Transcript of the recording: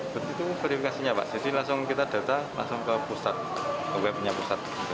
berarti itu verifikasinya pak jadi langsung kita data langsung ke pusat ke webnya pusat